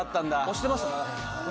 押してましたもんね。